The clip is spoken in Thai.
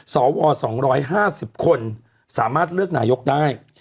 สว๒๕๐คนสามารถเลือกนายกได้